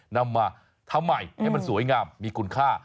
นำมาทำใหม่ให้มันสวยงามมีคุณค่า